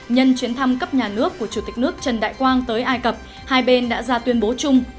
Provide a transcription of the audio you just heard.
nhân chuyến thăm cấp nhà nước của chủ tịch nước trần đại quang tới ai cập hai bên đã ra tuyên bố chung